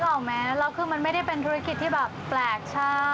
ออกไหมแล้วคือมันไม่ได้เป็นธุรกิจที่แบบแปลกใช่